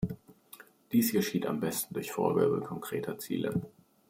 Dies geschieht am besten durch Vorgabe konkreter Ziele.